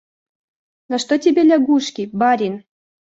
На что тебе лягушки, барин?